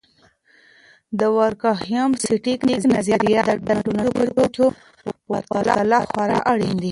د دورکهايم.static نظریات د ټولنیزو کچو په پرتله خورا اړین دي.